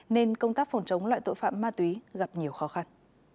nên công tác phòng chống loại tội phạm ma túy gặp nhiều khó khăn